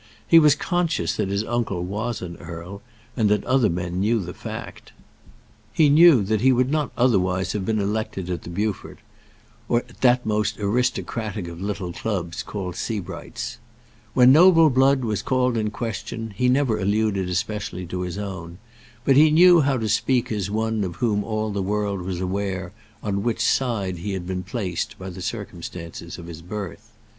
He was conscious that his uncle was an earl, and that other men knew the fact. He knew that he would not otherwise have been elected at the Beaufort, or at that most aristocratic of little clubs called Sebright's. When noble blood was called in question he never alluded specially to his own, but he knew how to speak as one of whom all the world was aware on which side he had been placed by the circumstances of his birth.